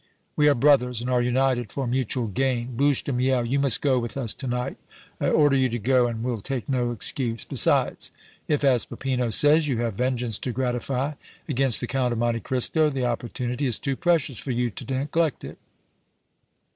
We are brothers and are united for mutual gain. Bouche de Miel, you must go with us to night. I order you to go and will take no excuse! Besides, if, as Peppino says, you have vengeance to gratify against the Count of Monte Cristo, the opportunity is too precious for you to neglect it!